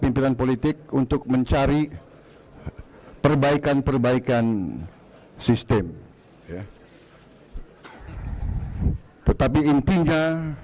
saya berp hate ludum brado seorang k burundini waaraja